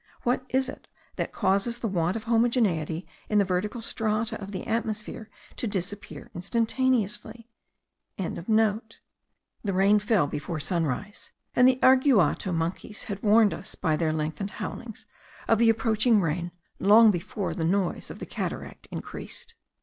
What is it that causes the want of homogeneity in the vertical strata of the atmosphere to disappear instantaneously?) It fell before sunrise, and the araguato monkeys had warned us, by their lengthened howlings, of the approaching rain, long before the noise of the cataract increased.